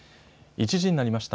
１時になりました。